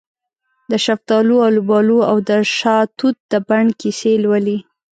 دشفتالو، الوبالواودشاه توت د بڼ کیسې لولې